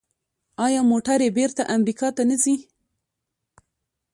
آیا موټرې بیرته امریکا ته نه ځي؟